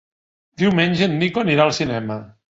Diumenge en Nico anirà al cinema.